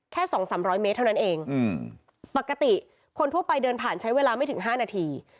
สองสามร้อยเมตรเท่านั้นเองปกติคนทั่วไปเดินผ่านใช้เวลาไม่ถึง๕นาที